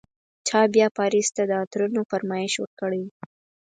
چا بیا پاریس ته د عطرونو فرمایش ورکړی و.